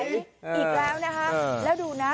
อีกแล้วนะคะแล้วดูนะ